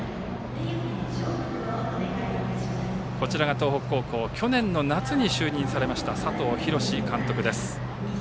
東北高校去年の夏に就任されました佐藤洋監督です。